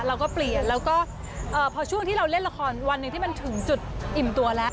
แล้วก็พอช่วงที่เราเล่นละครวันหนึ่งที่มันถึงจุดอิ่มตัวแล้ว